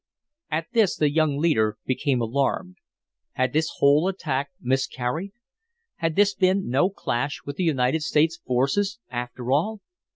At this the young leader became alarmed. Had this whole attack miscarried? Had this been no clash with the United States forces, after all?